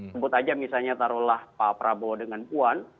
sebut aja misalnya taruhlah pak prabowo dengan puan